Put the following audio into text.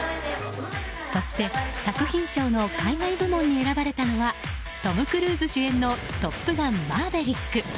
そして作品賞の海外部門に選ばれたのはトム・クルーズ主演の「トップガンマーヴェリック」。